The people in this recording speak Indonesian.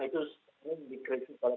ini kan juga penting